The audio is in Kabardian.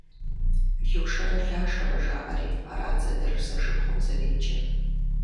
Лушэрэ Лашэрэ жаӏэри арат зэдэлъху-зэшыпхъум зэреджэр.